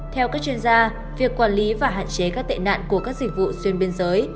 theo các chuyên gia việc quản lý và hạn chế các tệ nạn của các dịch vụ xuyên biên giới